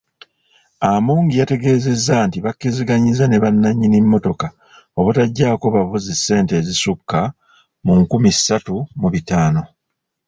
Amongi yategeezezza nti bakkiriziganyizza ne bannanyini mmotoka obutaggyaako bavuzi ssente ezisukka mu nkumi ssatu mu bitaano.